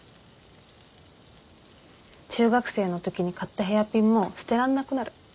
中学生のときに買ったヘアピンも捨てらんなくなる。